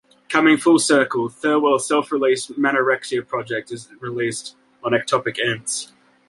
Coming full circle, Thirlwell's self-released Manorexia project is released on Ectopic Ents.